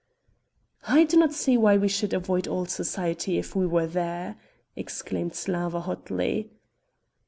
"I do not see why we should avoid all society if we were there," exclaimed Slawa hotly.